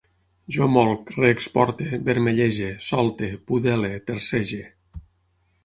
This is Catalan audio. Jo molc, reexporte, vermellege, solte, pudele, tercege